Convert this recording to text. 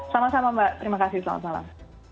sama sama mbak terima kasih selamat malam